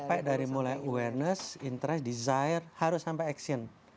sampai dari mulai awareness interest desire harus sampai action